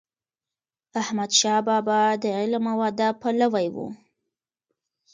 احمد شاه بابا د علم او ادب پلوی و.